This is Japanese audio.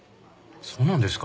そうなんですか？